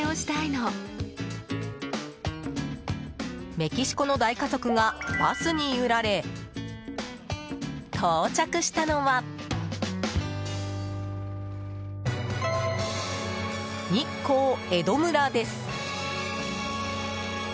メキシコの大家族がバスに揺られ到着したのは日光江戸村です。